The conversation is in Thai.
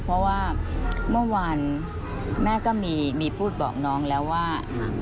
เพราะว่าเมื่อวานแม่ก็มีพูดบอกน้องแล้วว่า